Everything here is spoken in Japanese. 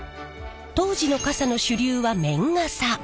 当時の傘の主流は綿傘。